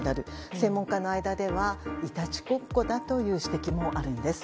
専門家の間ではいたちごっこだという指摘もあるんです。